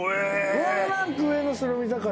ワンランク上の白身魚。